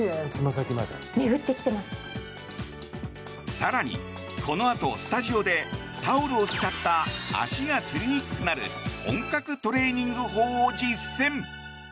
更にこのあとスタジオでタオルを使った足がつりにくくなる本格トレーニング法を実践。